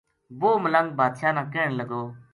و ہ ملنگ بادشاہ نا کہن لگو